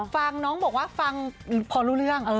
ฟังน้องบอกว่าฟังพอรู้เรื่อง